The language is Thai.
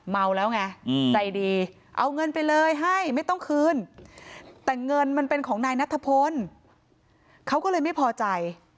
เมาแล้วไงใจดีเอาเงินไปเลยให้ไม่ต้องคืนแต่เงินมันเป็นของนายนัทพลเขาก็เลยไม่พอใจ